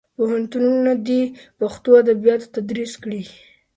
پوهنتونونه دې پښتو ادبیات تدریس کړي.